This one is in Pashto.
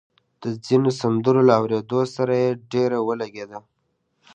د ځينو سندرو له اورېدو سره يې ډېره ولګېده